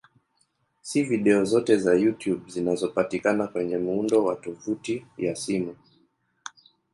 Si video zote za YouTube zinazopatikana kwenye muundo wa tovuti ya simu.